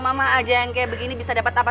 mama aja yang kayak begini bisa dapat apa